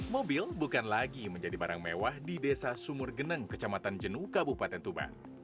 mobil bukan lagi menjadi barang mewah di desa sumur geneng kecamatan jenu kabupaten tuban